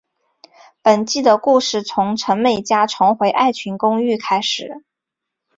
本季的故事从陈美嘉重回爱情公寓开始。